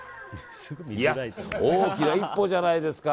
大きな一歩じゃないですか。